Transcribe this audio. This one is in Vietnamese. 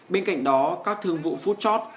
bên cạnh đó các thương vụ footshot